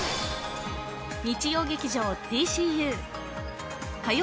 日曜劇場「ＤＣＵ」火曜